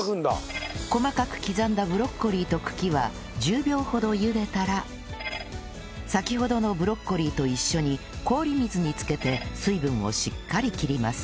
細かく刻んだブロッコリーと茎は１０秒ほどゆでたら先ほどのブロッコリーと一緒に氷水に漬けて水分をしっかり切ります